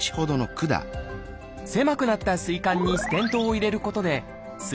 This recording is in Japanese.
狭くなったすい管にステントを入れることです